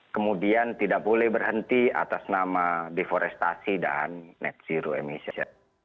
kemudian tidak boleh berhenti atas nama deforestasi dan net zero emission